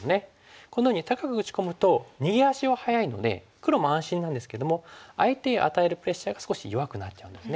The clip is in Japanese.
このように高く打ち込むと逃げ足は早いので黒も安心なんですけども相手へ与えるプレッシャーが少し弱くなっちゃうんですね。